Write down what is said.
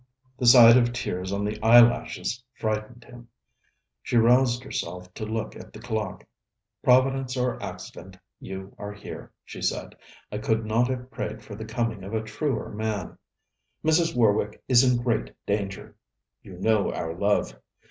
The sight of tears on the eyelashes frightened him. She roused herself to look at the clock. 'Providence or accident, you are here,' she said. 'I could not have prayed for the coming of a truer' man. Mrs. Warwick is in great danger.... You know our love.